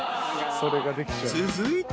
［続いて］